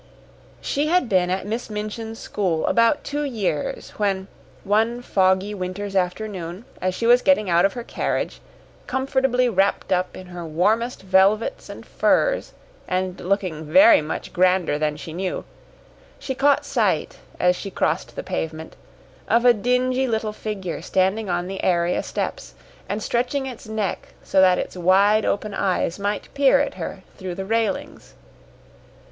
She had been at Miss Minchin's school about two years when, one foggy winter's afternoon, as she was getting out of her carriage, comfortably wrapped up in her warmest velvets and furs and looking very much grander than she knew, she caught sight, as she crossed the pavement, of a dingy little figure standing on the area steps, and stretching its neck so that its wide open eyes might peer at her through the railings.